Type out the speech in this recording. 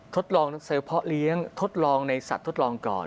ทดลองเซลล์เพาะเลี้ยงทดลองในสัตว์ทดลองก่อน